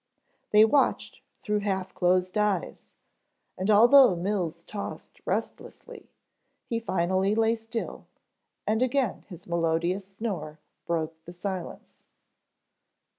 They watched through half closed eyes, and although Mills tossed restlessly, he finally lay still and again his melodious snore broke the silence.